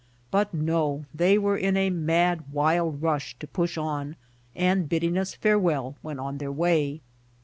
But no, they were in a mad, wild rush to push on and bidding us farewell, went on their way.